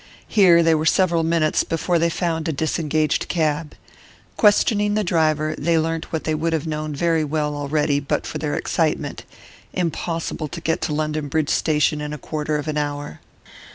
Here they were several minutes before they found a disengaged cab. Questioning the driver, they learnt what they would have known very well already but for their excitement: impossible to get to London Bridge Station in a quarter of an hour.